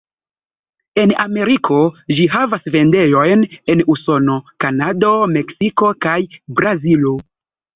En Ameriko ĝi havas vendejojn en Usono, Kanado, Meksiko kaj Brazilo.